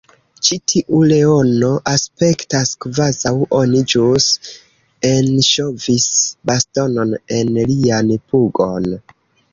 Ĉi tiu leono aspektas kvazaŭ oni ĵus enŝovis bastonon en lian pugon